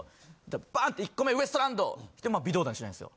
バン！って１個目ウエストランドまあ微動だにしないんですよ。